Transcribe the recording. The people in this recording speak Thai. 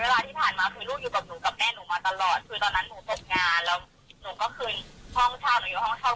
หนูก็คืนห้องเช่าแม่ก็เลยนำเอาลูกกลับไปฝากไว้ดีเขาก่อน